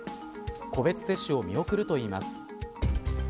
個別接種を見送るといいます。